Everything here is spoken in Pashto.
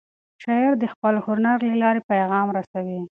شاعر د خپل هنر له لارې پیغام رسوي.